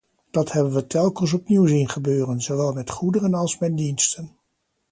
Dat hebben we telkens opnieuw zien gebeuren, zowel met goederen als met diensten.